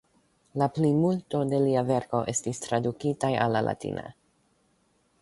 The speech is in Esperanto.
La plimulto de lia verko estis tradukitaj al la latina.